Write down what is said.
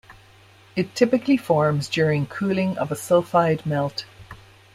It typically forms during cooling of a sulfide melt.